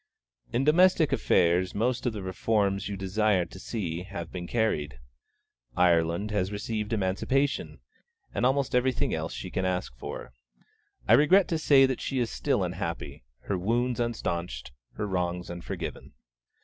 In domestic affairs most of the Reforms you desired to see have been carried. Ireland has received Emancipation, and almost everything else she can ask for. I regret to say that she is still unhappy; her wounds unstanched, her wrongs unforgiven.